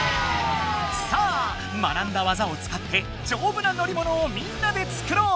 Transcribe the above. さあ学んだわざを使ってじょうぶな乗りものをみんなで作ろう！